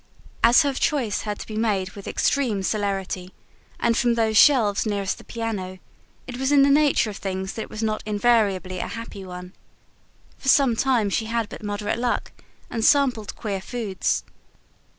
As her choice had to be made with extreme celerity, and from those shelves nearest the piano, it was in the nature of things that it was not invariably a happy one. For some time she had but moderate luck, and sampled queer foods.